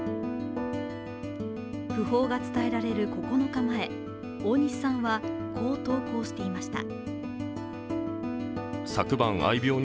訃報が伝えられる９日前、大西さんはこう投稿していました。